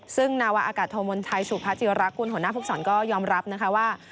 ซึ่งนาวะอากาธมนต์ไทยฉุพจิรักษ์คุณหัวหน้าภูมิสอนก็ยอมรับว่า